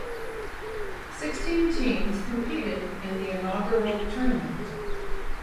Sixteen teams competed in the inaugural tournament.